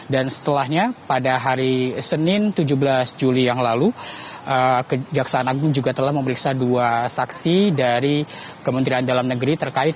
dan setelahnya pada hari senin tujuh belas juli yang lalu kejaksaan agung juga telah memeriksa dua saksi dari kementerian dalam negeri